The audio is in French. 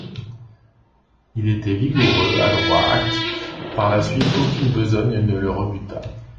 Il était vigoureux, adroit, actif ; par la suite, aucune besogne ne le rebuta.